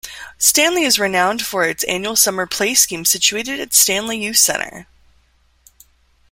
Stanley is renowned for its annual summer playscheme situated at Stanley Youth Centre.